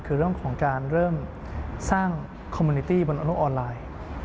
คือเรื่องของการเริ่มสร้างคอมมินิตี้บนโลกออนไลน์